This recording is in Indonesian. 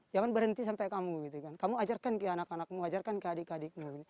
jangan berhenti sampai kamu gitu kan kamu ajarkan ke anak anakmu ajarkan ke adik adikmu